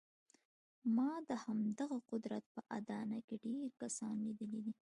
ما د همدغه قدرت په اډانه کې ډېر کسان لیدلي دي